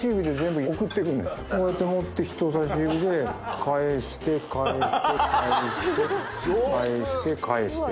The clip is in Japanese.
こうやって持って人さし指で返して返して返して返して返して。